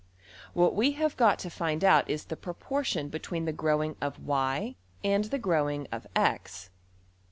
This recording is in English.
What we have got to find out is the proportion between the growing of~$y$ and the growing of~$x$.